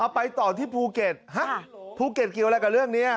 ไปต่อที่ภูเก็ตภูเก็ตเกี่ยวอะไรกับเรื่องนี้